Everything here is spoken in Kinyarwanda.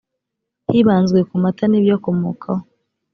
hibanzwe ku mata n ibiyakomokaho